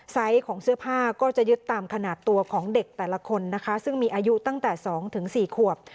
ของเสื้อผ้าก็จะยึดตามขนาดตัวของเด็กแต่ละคนนะคะซึ่งมีอายุตั้งแต่๒๔ขวบ